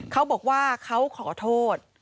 เขาบอกว่าเขาขอโทษ